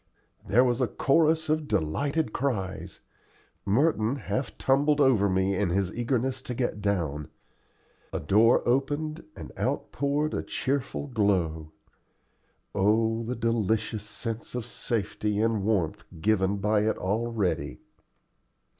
There was a chorus of delighted cries. Merton half tumbled over me in his eagerness to get down. A door opened, and out poured a cheerful glow. Oh the delicious sense of safety and warmth given by it already!